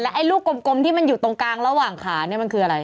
ไอ้ลูกกลมที่มันอยู่ตรงกลางระหว่างขาเนี่ยมันคืออะไร